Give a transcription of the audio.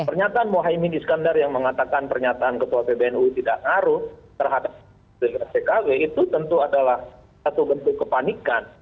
pernyataan mohaimin iskandar yang mengatakan pernyataan ketua pbnu tidak ngaruh terhadap pkb itu tentu adalah satu bentuk kepanikan